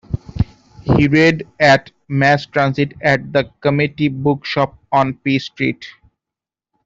He read at Mass Transit, at the Community Book Shop on P Street.